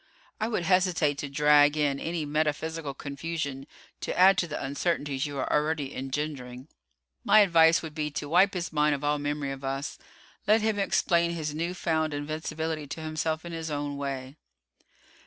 I would hesitate to drag in any metaphysical confusion to add to the uncertainties you are already engendering. My advice would be to wipe his mind of all memory of us. Let him explain his new found invincibility to himself in his own way."